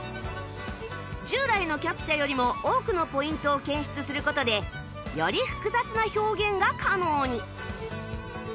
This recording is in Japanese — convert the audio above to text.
従来のキャプチャよりも多くのポイントを検出する事でより複雑な表現が可能に